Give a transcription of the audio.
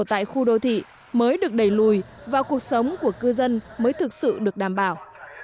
tại khu đô thị mới được đẩy lùi và cuộc sống của cư dân mới thực sự được đảm bảo